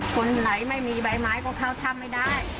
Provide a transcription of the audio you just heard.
คนไหลไม่มีใบไม้ก็เข้าถ้ำไม่ได้